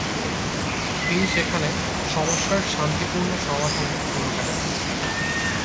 তিনি সেখানে সমস্যার শান্তিপূর্ণ সমাধানে ভূমিকা রাখেন।